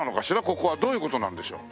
ここは。どういう事なんでしょう？